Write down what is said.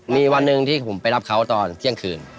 มีวันหนึ่งที่ผมไปรับเขาตอนเที่ยงคืน